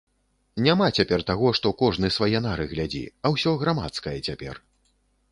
Няма цяпер таго, што кожны свае нары глядзі, а ўсё грамадскае цяпер.